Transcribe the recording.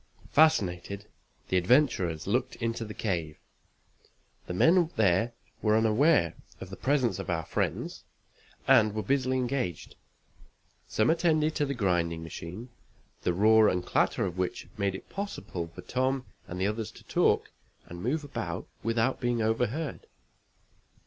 Fascinated, the adventurers looked into the cave. The men there were unaware of the presence of our friends, and were busily engaged. Some attended to the grinding machine, the roar and clatter of which made it possible for Tom and the others to talk and move about without being overheard.